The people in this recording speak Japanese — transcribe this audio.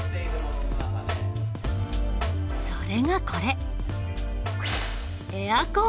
それがこれ。